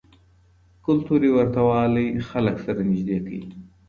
کلتوري ورته والی خلک سره نږدې کوي.